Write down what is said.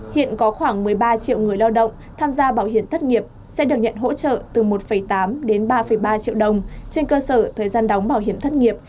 hiện có khoảng một mươi ba triệu người lao động tham gia bảo hiểm thất nghiệp sẽ được nhận hỗ trợ từ một tám đến ba ba triệu đồng trên cơ sở thời gian đóng bảo hiểm thất nghiệp